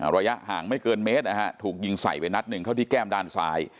ระยะห่างไม่เกินเมตรนะฮะถูกยิงใส่ไปนัดหนึ่งเข้าที่แก้มด้านซ้าย